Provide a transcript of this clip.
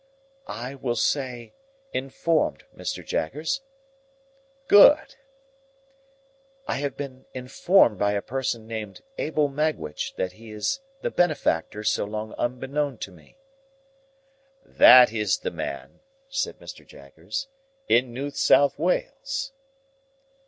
"I will say, informed, Mr. Jaggers." "Good." "I have been informed by a person named Abel Magwitch, that he is the benefactor so long unknown to me." "That is the man," said Mr. Jaggers, "in New South Wales."